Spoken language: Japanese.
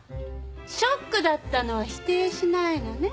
ショックだったのは否定しないのね。